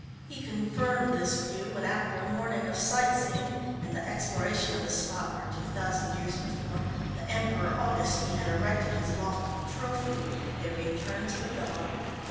He confirmed this view when after a morning of sight seeing and the exploration of the spot where, two thousand years before, the Emperor Augustine had erected his lofty "trophy," they returned to the villa.